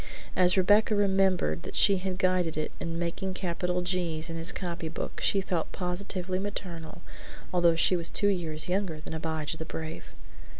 As Rebecca remembered that she had guided it in making capital G's in his copy book, she felt positively maternal, although she was two years younger than Abijah the Brave.